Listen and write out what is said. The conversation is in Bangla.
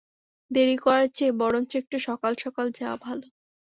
দেরি করার চেয়ে বরঞ্চ একটু সকাল-সকাল যাওয়া ভালো।